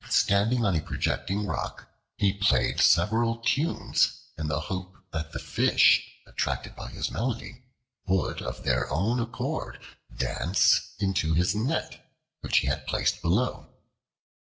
Standing on a projecting rock, he played several tunes in the hope that the fish, attracted by his melody, would of their own accord dance into his net, which he had placed below.